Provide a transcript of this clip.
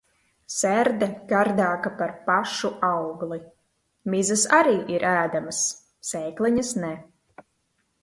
Serde gardāka par pašu augli. Mizas arī ir ēdamas. Sēkliņas ne.